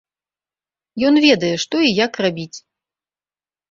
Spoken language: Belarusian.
Ён ведае, што і як рабіць.